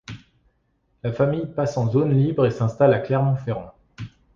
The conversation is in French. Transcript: La famille passe en zone libre et s'installe à Clermont-Ferrand.